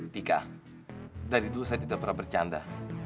tika dari dulu saya tidak pernah bercanda